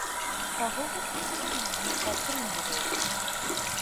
Каго гэткім чынам мы падтрымліваем?